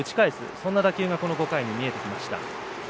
そんな打球が５回に見えてきました。